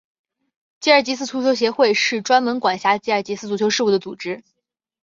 吉尔吉斯足球协会是专门管辖吉尔吉斯足球事务的组织。